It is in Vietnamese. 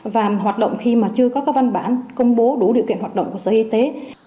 và hoạt động khi mà chưa có cái văn bản công bố đủ điều kiện hoạt động của sở y tế